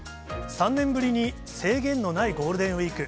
３年ぶりに制限のないゴールデンウィーク。